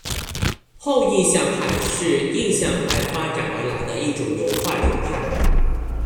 后印象派是印象派发展而来的一种油画流派。